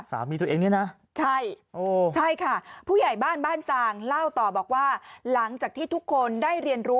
สามีตัวเองเนี่ยนะโอ้